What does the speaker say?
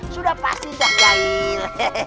sudah pasti sudah jail